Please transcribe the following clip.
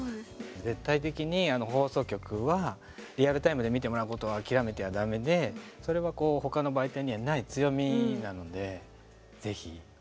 絶対的に放送局はリアルタイムで見てもらうことを諦めてはだめでそれは他の媒体にはない強みなので、ぜひ。